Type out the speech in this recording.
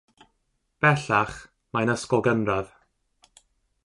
Bellach, mae'n ysgol gynradd.